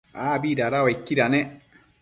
abi dada uaiquida ne?